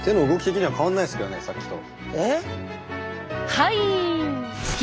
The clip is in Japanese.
はい！